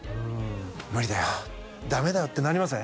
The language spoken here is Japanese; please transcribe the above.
「無理だよダメだよ」ってなりますよね